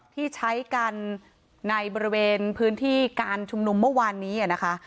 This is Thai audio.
ที่ใช้กันในบริเวณพื้นที่การชุมนุมเมื่อวานนี้นะคะ